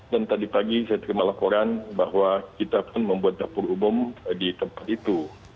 dan tadi pagi saya terima laporan bahwa kita pun membuat dapur umum di tempat itu